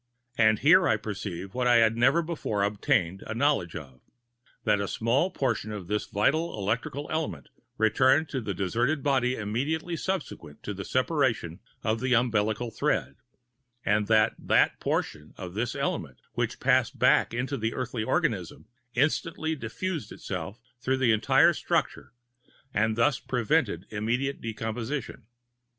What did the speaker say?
And here I perceived what I had never before obtained a knowledge of, that a small portion of this vital electrical element returned to the deserted body immediately subsequent to the separation of the umbilical thread; and that that portion of this element which passed back into the earthly organism instantly diffused itself through the entire structure, and thus prevented immediate decomposition.